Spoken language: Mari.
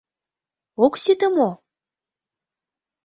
Ок сите мо?